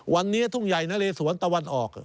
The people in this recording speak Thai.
วันนี้ทุ่งใหญ่นะเลสวนตะวันออก